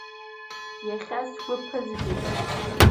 Иахьа сгәы ԥызжәо…